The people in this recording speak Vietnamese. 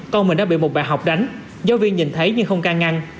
con mình đã bị một bà học đánh giáo viên nhìn thấy nhưng không ca ngăn